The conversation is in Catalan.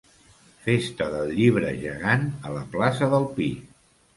Festa del Llibre Gegant a la plaça del Pi.